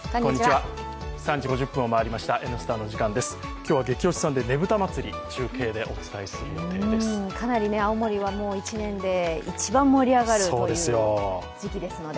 今日はゲキ推しさんでねぶた祭り、かなり青森は今１年で一番盛り上がるという時期ですので。